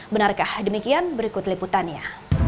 benarkah demikian berikut liputannya